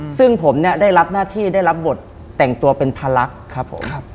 ซึ่งผมเนี่ยได้รับหน้าที่ได้รับบทแต่งตัวเป็นพลักษณ์ครับผม